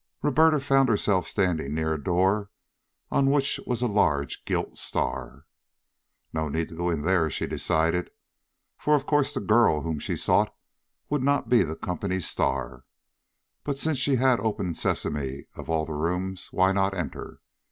Roberta found herself standing near a door on which was a large gilt star. No need to go in there, she decided, for of course the girl whom she sought would not be the company's star, but since she had the open sesame of all the rooms, why not enter?